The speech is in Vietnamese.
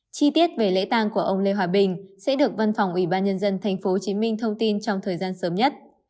chi tiết về lễ tang của ông lê hòa bình sẽ được văn phòng ủy ban nhân dân tp hcm thông tin trong thời gian sớm nhất